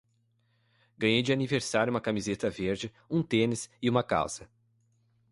Ganhei de aniversário uma camiseta verde, um tênis e uma calça.